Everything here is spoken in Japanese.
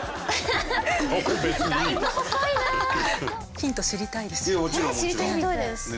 ヒント知りたいですよね。